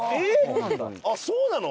あっそうなの？